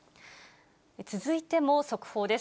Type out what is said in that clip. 続いても速報です。